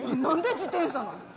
何で自転車なん？